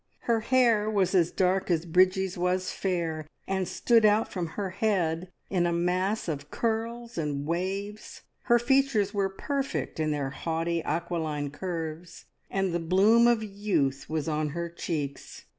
Her hair was as dark as Bridgie's was fair, and stood out from her head in a mass of curls and waves, her features were perfect in their haughty, aquiline curves, and the bloom of youth was on her cheeks.